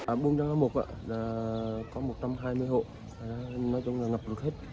ở buôn chía có một trăm hai mươi hộ nói chung là ngập lụt hết